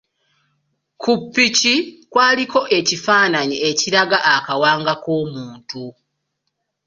Ku ppiki kwaliko ekifaananyi ekiraga akawanga k’omuntu.